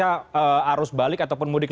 apakah itu harus diperbaiki atau diperbaiki